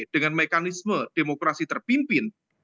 dengan mekanisme demokrasi terpimpin